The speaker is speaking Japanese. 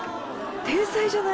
天才じゃない。